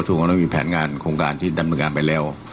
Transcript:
ต้องมีแผนงานโครงการที่ดำเนินการไปแล้ว